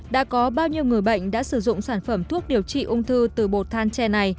đã có bao nhiêu người bệnh đã sử dụng sản phẩm thuốc điều trị ung thư từ bột thanche